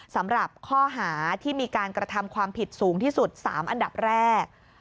สำหรับข้อหาที่มีการกระทำความผิดสูงที่สุด๓อันดับแรก